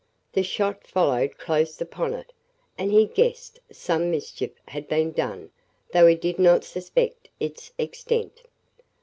The shot followed close upon it, and he guessed some mischief had been done, though he did not suspect its extent."